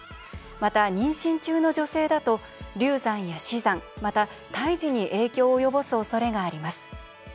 また妊娠中の女性だと流産や死産また胎児に影響を及ぼすおそれがあります。